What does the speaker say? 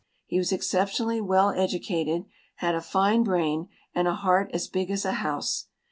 He was exceptionally well educated, had a fine brain, and a heart as big as a house.